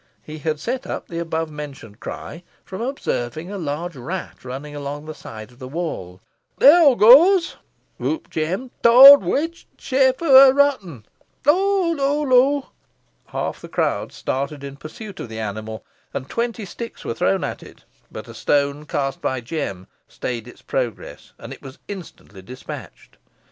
He had set up the above mentioned cry from observing a large rat running along the side of the wall. "Theere hoo goes," whooped Jem, "t'owd witch, i' th' shape ov a rotten! loo loo loo!" Half the crowd started in pursuit of the animal, and twenty sticks were thrown at it, but a stone cast by Jem stayed its progress, and it was instantly despatched.